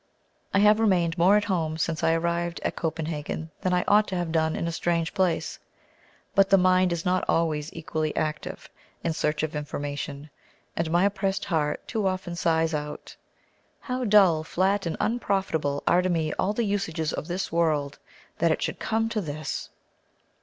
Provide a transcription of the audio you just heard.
I have remained more at home since I arrived at Copenhagen than I ought to have done in a strange place, but the mind is not always equally active in search of information, and my oppressed heart too often sighs out "How dull, flat, and unprofitable Are to me all the usages of this world: That it should come to this!"